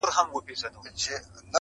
يا نه کوي، يا د خره کوي.